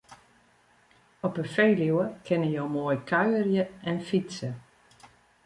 Op 'e Feluwe kinne jo moai kuierje en fytse.